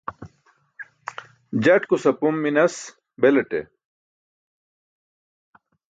Jatkus apom minas belaṭe.